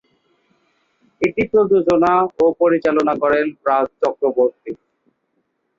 এটি প্রযোজনা ও পরিচালনা করেন রাজ চক্রবর্তী।